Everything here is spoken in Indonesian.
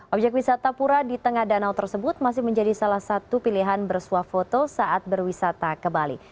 objek wisata pura di tengah danau tersebut masih menjadi salah satu pilihan bersuah foto saat berwisata ke bali